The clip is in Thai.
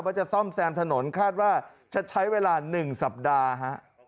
จะซ่อมแซมถนนคาดว่าจะใช้เวลา๑สัปดาห์ฮะ